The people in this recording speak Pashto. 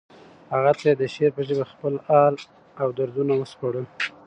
هغه ته یې د شعر په ژبه خپل حال او دردونه وسپړل